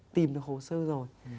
tìm được hồ sơ rồi